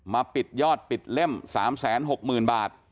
ปิดยอดปิดเล่ม๓๖๐๐๐บาท